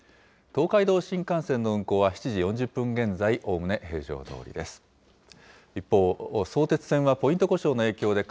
東海道新幹線の運行は７時４０分現在、おおむね平常どおりです。